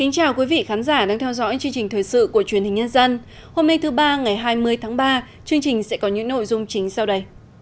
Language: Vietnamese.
chào mừng quý vị đến với bộ phim hãy nhớ like share và đăng ký kênh của chúng mình nhé